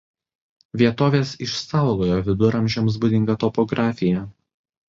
Vietovės išsaugojo viduramžiams būdingą topografiją.